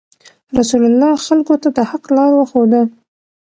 رسول الله خلکو ته د حق لار وښوده.